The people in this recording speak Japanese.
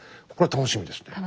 楽しみですね。